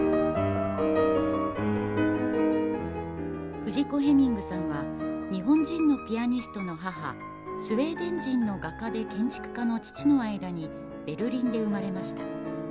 フジコ・ヘミングさんは日本人のピアニストの母、スウェーデン人の画家で建築家の父の間にベルリンで生まれました。